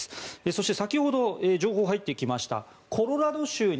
そして、先ほど情報が入ってきました。